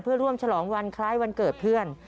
เพื่อร่วมฉลองวันคล้ายวันเกิดเพื่อน